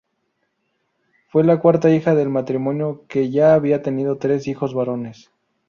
Fue la cuarta hija del matrimonio, que ya había tenido tres hijos varones.